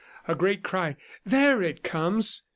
... A great cry "There it comes!